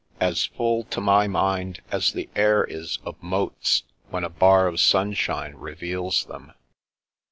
— ^as full to my mind as the air is of motes when a bar of sunshine reveals them.